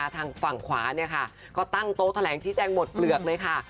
ทางฝั่งขวาก็ตั้งโต๊ะแถลงชี้แจงหมดเปลือกเลยค่ะ